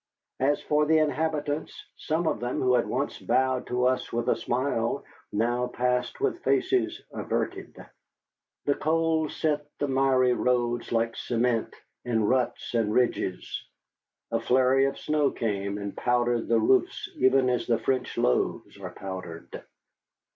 As for the inhabitants, some of them who had once bowed to us with a smile now passed with faces averted. The cold set the miry roads like cement, in ruts and ridges. A flurry of snow came and powdered the roofs even as the French loaves are powdered.